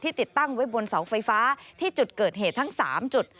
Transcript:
ติดตั้งไว้บนเสาไฟฟ้าที่จุดเกิดเหตุทั้ง๓จุด